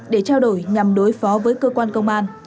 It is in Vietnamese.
để trao đổi nhằm đối phó với cơ quan công an